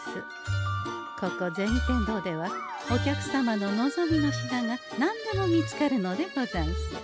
ここ銭天堂ではお客様の望みの品がなんでも見つかるのでござんす。